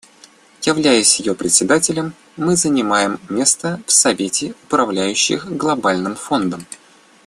Являясь ее Председателем, мы занимаем место в Совете управляющих Глобальным фондом.